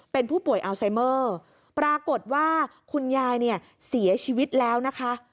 เป็นผู้ป่วยอัลไซเมอร์ปรากฏว่าคุณยายเนี่ยเสียชีวิตแล้วนะคะ